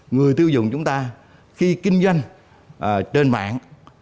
người tiêu dùng chúng ta khi kinh doanh trên mạng